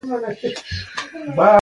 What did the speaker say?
داراییو ماليې پلورلو وخت کې کېږي.